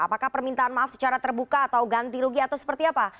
apakah permintaan maaf secara terbuka atau ganti rugi atau seperti apa